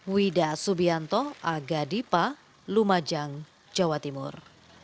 widas subianto agadipa lumajang jawa timur